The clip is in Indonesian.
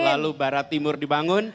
lalu barat timur dibangun